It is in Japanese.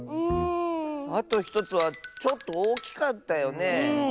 あと１つはちょっとおおきかったよね。